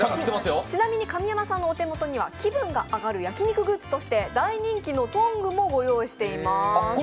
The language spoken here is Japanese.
ちなみに神山さんのお手元には気分が上がる焼き肉グッズとして、大人気のトングもご用意しています。